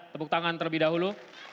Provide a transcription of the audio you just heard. tepuk tangan terlebih dahulu